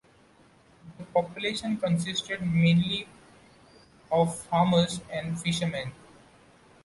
The population consisted mainly of farmers and fishermen.